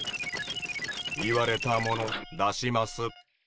言われたもの出します。